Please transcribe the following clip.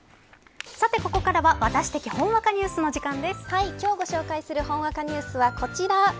さて、ここからはワタシ的ほんわかニュースの今日ご紹介するほんわかニュースはこちら。